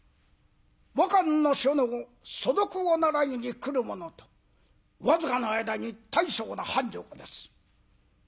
和漢の書の素読を習いに来る者と僅かな間に大層な繁盛をいたす。